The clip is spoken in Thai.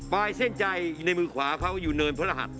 ปลายเส้นใจในมือขวาเขาก็อยู่เนินพระราช